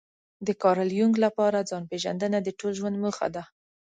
د کارل يونګ لپاره ځان پېژندنه د ټول ژوند موخه ده.